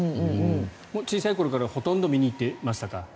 小さい頃からほとんど見に行ってましたか？